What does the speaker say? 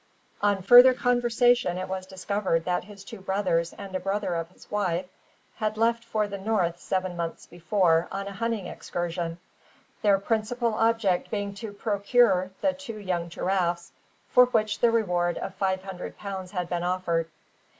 On further conversation it was discovered that his two brothers and a brother of his wife had left for the north seven months before, on a hunting excursion, their principal object being to procure the two young giraffes for which the reward of five hundred pounds had been offered.